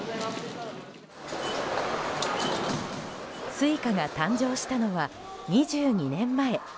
Ｓｕｉｃａが誕生したのは２２年前。